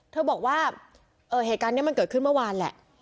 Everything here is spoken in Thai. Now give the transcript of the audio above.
เธอบอกว่าเหตุการณ์นี้มันเกิดขึ้นเมื่อวานแหละ